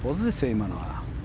今のは。